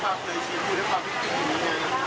ตอนที่รู้ตอนนั้นถูกมาดูเนี่ย